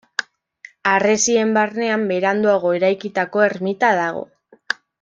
Harresien barnean beranduago eraikitako ermita dago.